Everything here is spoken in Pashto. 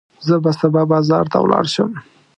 زه به سبا بازار ته ولاړ شم.